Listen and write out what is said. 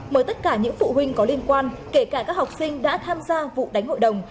mời tất cả những phụ huynh có liên quan kể cả các học sinh đã tham gia vụ đánh hội đồng